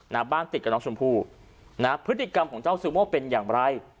บ้านติดกับน้องชมพู่นะพฤติกรรมของเจ้าซูโม่เป็นอย่างไร